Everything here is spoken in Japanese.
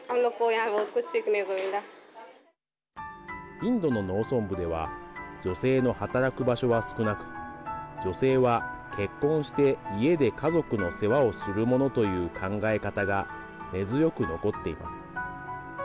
インドの農村部では女性の働く場所は少なく女性は結婚して家で家族の世話をするものという考え方が根強く残っています。